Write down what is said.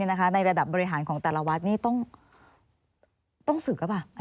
ในระดับบริหารของแต่ละวัดนี่ต้องศึกหรือเปล่า